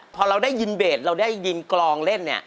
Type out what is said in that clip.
พอเราได้ยินเบสเราได้ยินกลองเล่นเนี่ย